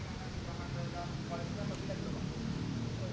itu mengerti pak prabu sudah menentukan apa yang mungkin akan terjadi dalam koalisi